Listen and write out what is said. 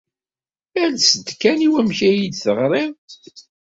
Ales-d kan i wamek ay iyi-d-teɣrid?